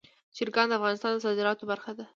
چرګان د افغانستان د صادراتو برخه ده.